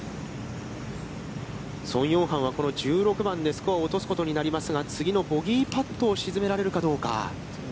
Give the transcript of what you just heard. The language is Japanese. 宋永漢はこの１６番でスコアを落とすことになりますが、次のボギーパットを沈められるかどうか。